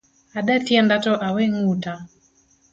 Ade tienda to awe nguta